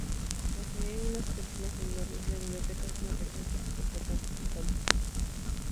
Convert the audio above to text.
Posee unas columnas enormes, la biblioteca hace una presencia importante en el campus.